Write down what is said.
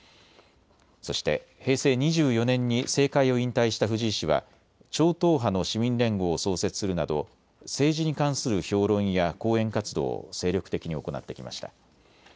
そして平成２４年に政界を引退した藤井氏は超党派の市民連合を創設するなど政治に関する評論や講演活動を精力的に行ってきました。